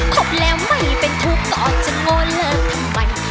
คบแล้วไม่เป็นทุกข์ตอนจะง้อเลิกทำไม